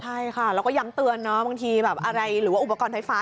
ใช่ค่ะแล้วก็ย้ำเตือนเนาะบางทีแบบอะไรหรือว่าอุปกรณ์ไฟฟ้า